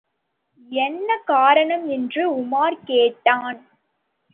என்ன காரணம் என்று உமார் கேட்டான்.